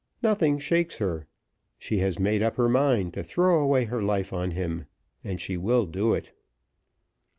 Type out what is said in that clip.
Nothing shakes her. She has made up her mind to throw away her life on him, and she will do it."